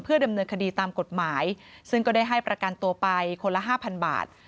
ดำเนินคดีตามกฎหมายซึ่งก็ได้ให้ประกันตัวไปคนละห้าพันบาท